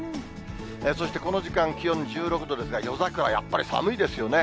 そして、この時間、気温１６度ですが、夜桜、やっぱり寒いですよね。